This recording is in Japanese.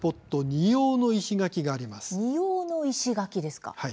二様の石垣ですか。